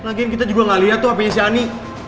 lagiin kita juga gak liat tuh hpnya si ani